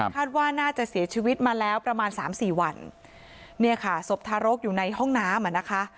คาดว่าน่าจะเสียชีวิตมาแล้วประมาณสามสี่วันเนี่ยค่ะศพทารกอยู่ในห้องน้ำอ่ะนะคะ